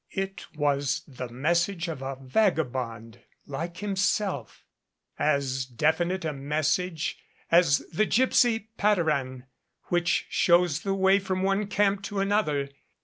It was the message of a vagabond like himself, as definite a message as the gypsy patter an which shows the way from one camp to another.